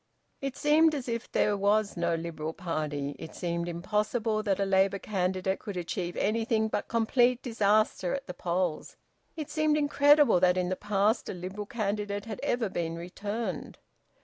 It seemed as if there was no Liberal party. It seemed impossible that a Labour candidate could achieve anything but complete disaster at the polls. It seemed incredible that in the past a Liberal candidate had ever been returned.